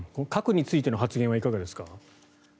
核についての発言はいかがですか。